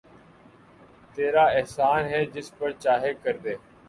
تیرا احسان ہے جس پر چاہے کردے